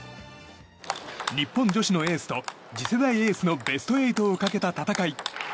日本女子のエースと次世代エースのベスト８をかけた戦い。